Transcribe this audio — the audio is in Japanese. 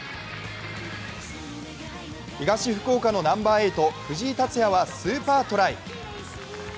東福岡のナンバー８・藤井達哉はスーパートライ。